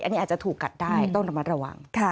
อันนี้อาจจะถูกกัดได้ต้องระมัดระวัง